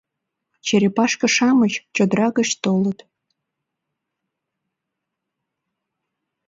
Черепашке-шамыч чодыра гыч толыт.